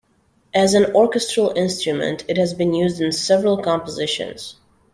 As an orchestral instrument, it has been used in several compositions.